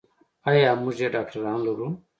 ایا موږ یې ډاکتران لرو.